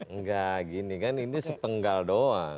enggak gini kan ini sepenggal doang